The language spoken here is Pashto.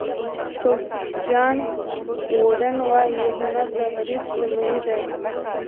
کوچ جان ووډن وایي هنر د غریب شتمني ده.